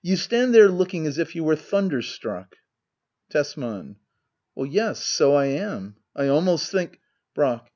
stand there looking as if you were thunder struck ' Tesman. Yes — so I am — I almost think Brack.